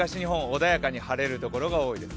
穏やかに晴れる所が多いです。